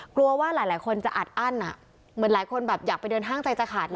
กลัวว่าหลายคนจะอัดอั้นอ่ะเหมือนหลายคนแบบอยากไปเดินห้างใจจะขาดเลย